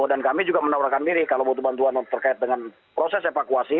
dan kami juga menawarkan diri kalau butuh bantuan terkait dengan proses evakuasi